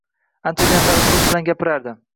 anchagina talaffuz bilan gapirardi.